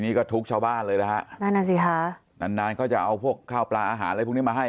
นี่ก็ทุกชาวบ้านเลยนะฮะนานก็จะเอาพวกข้าวปลาอาหารอะไรพวกนี้มาให้